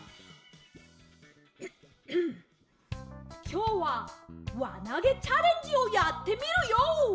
きょうはわなげチャレンジをやってみるＹＯ！